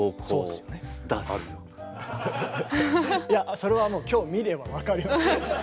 いやそれはもう今日見れば分かります。